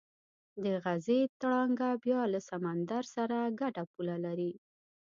د غزې تړانګه بیا له سمندر سره ګډه پوله لري.